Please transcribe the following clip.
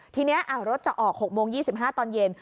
ทีนี้รถจะออก๖โมง๒๕ตอนเย็น